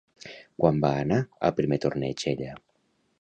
Quan va anar al primer torneig ella?